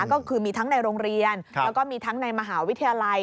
ก็คือมีทั้งในโรงเรียนแล้วก็มีทั้งในมหาวิทยาลัย